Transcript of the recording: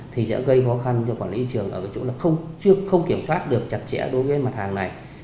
thì sẽ gây khó khăn cho quản lý thị trường ở cái chỗ là không kiểm soát được chặt chẽ đối với mặt hàng này